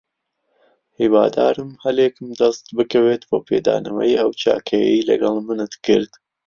هیوادارم هەلێکم دەست بکەوێت بۆ پێدانەوەی ئەو چاکەیەی لەگەڵ منت کرد.